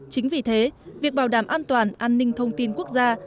chính vì thế việc bảo đảm an toàn an ninh thông tin quốc gia